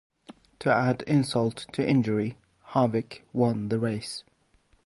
To add insult to injury, Harvick won the race.